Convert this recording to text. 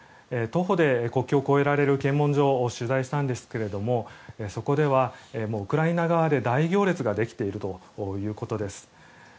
徒歩で国境を越えられる検問所を取材したんですがそこではウクライナ側で大行列ができているということです。